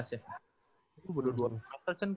itu udah dua minggu